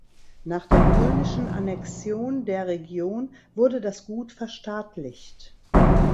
Nach der polnischen Annexion der Region wurde das Gut verstaatlicht.